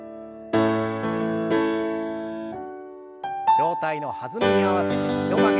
上体の弾みに合わせて２度曲げ。